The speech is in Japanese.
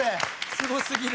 すごすぎる。